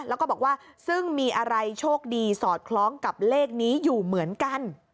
แล้วก็บอกว่าซึ่งมีอะไรโชคดีสอดคล้องกับเลขนี้อยู่เหมือนกัน